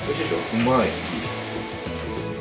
うまい。